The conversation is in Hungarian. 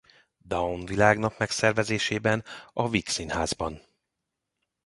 Down Világnap megszervezésében a Vígszínházban.